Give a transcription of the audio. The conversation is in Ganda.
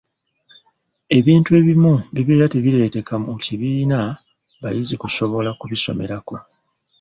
Ebintu ebimu bibeera tebireeteka mu kibiina bayizi kusobola kubisomerako.